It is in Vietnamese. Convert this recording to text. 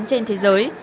trên thế giới